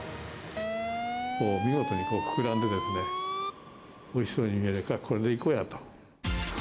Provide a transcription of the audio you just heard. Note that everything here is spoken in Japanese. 見事に膨らんでですね、おいしそうに見えるから、これでいこうや！と。